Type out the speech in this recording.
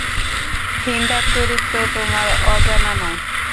হিন্দার চরিত্র তোমার অজানা নয়।